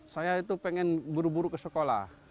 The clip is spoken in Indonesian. saya itu pengen buru buru ke sekolah